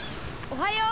おはよう！